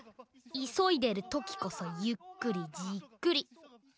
いそいでるときこそゆっくりじっくり。